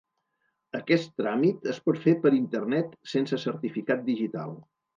Aquest tràmit es pot fer per internet sense certificat digital.